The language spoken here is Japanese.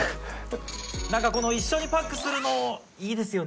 何かこの一緒にパックするのいいですよね。